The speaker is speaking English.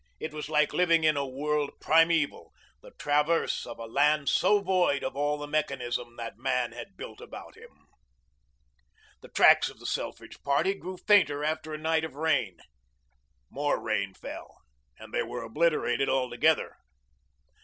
It was like living in a world primeval, this traverse of a land so void of all the mechanism that man has built about him. The tracks of the Selfridge party grew fainter after a night of rain. More rain fell, and they were obliterated altogether.